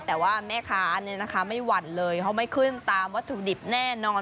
แต่ว่าแม่ค้าเนี่ยนะคะไม่หวั่นเลยเขาไม่ขึ้นตามวัตถุดิบแน่นอน